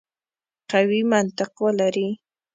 قوي منطق ولري.